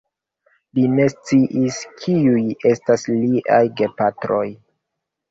Li ne sciis, kiuj estas liaj gepatroj.